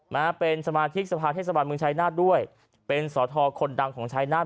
นะฮะเป็นสมาชิกสภาเทศบาลเมืองชายนาฏด้วยเป็นสอทรคนดังของชายนาฏ